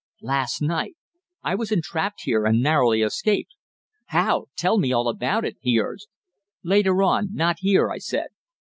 "Last night. I was entrapped here and narrowly escaped." "How? Tell me all about it," he urged. "Later on. Not here," I said.